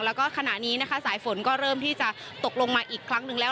แล้วก็ขณะนี้นะคะสายฝนก็เริ่มที่จะตกลงมาอีกครั้งหนึ่งแล้ว